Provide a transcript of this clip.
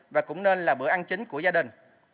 và cũng nên là bữa ăn chính của gia đình